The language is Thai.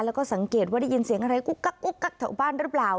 แล้วก็สังเกตว่าได้ยินเสียงอะไรกุ๊กกักแถวบ้านหรือเปล่า